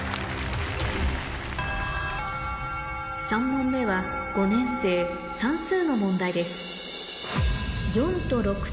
３問目は５年生算数の問題です